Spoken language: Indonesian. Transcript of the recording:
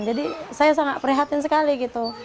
jadi saya sangat prihatin sekali gitu